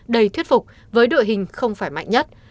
đầy thuyết phục với đội hình không phải mạnh nhất